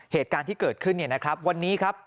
เหตุการณ์ที่เกิดขึ้นเนี่ยนะครับวันนี้ครับ